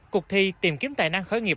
cuộc thi tìm kiếm tài năng khởi nghiệp